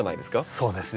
そうですね。